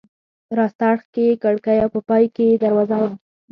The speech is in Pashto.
په راسته اړخ کې یې کړکۍ او په پای کې یې دروازه وه.